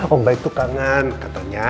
om baik tuh kangen katanya